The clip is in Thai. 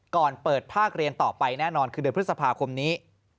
ก่อนเปิดภาคเรียนต่อไปแน่นอนคือเดือนพฤษภาคมนี้